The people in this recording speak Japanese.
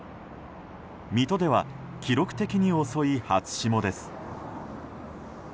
水戸では記録的に遅い初霜です。